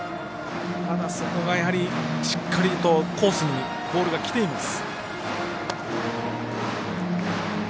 ただ、そこがしっかりとコースにボールがきています。